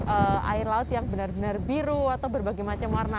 ada air laut yang benar benar biru atau berbagai macam warna